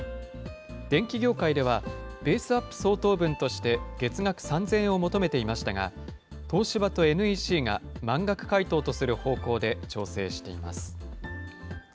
電機業界では、ベースアップ相当分として、月額３０００円を求めていましたが、東芝とＮＥＣが満額回答とする方向で調整しています。